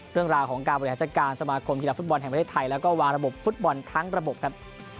เรื่องราวของการบริหารจัดการสมาคมกีฬาฟุตบอลแห่งประเทศไทยแล้วก็วางระบบฟุตบอลทั้งระบบครับ